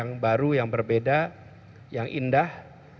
yang baru yang berbeda yang indah